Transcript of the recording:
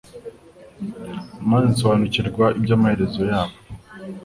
maze nsobanukirwa iby’amaherezo yabo